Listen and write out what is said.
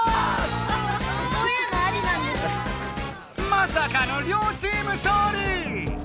まさかの両チーム勝利！